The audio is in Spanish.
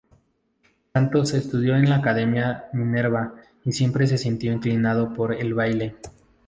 Santos estudió en la Academia Minerva y siempre se sintió inclinado por el baile.